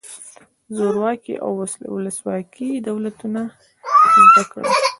زورواکي او ولسواکي دولتونه زده کړئ.